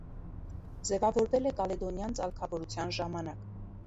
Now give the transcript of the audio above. Ձևավորվել է կալեդոնյան ծալքավորության ժամանակ։